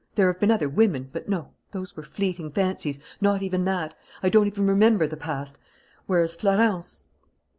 "There have been other women but no, those were fleeting fancies not even that: I don't even remember the past! Whereas Florence